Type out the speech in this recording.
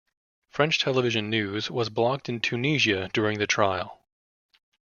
French television news was blocked in Tunisia during the trial.